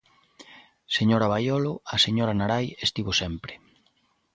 Señora Baiolo, a señora Narai estivo sempre.